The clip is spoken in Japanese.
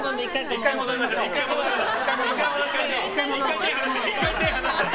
１回手を離して！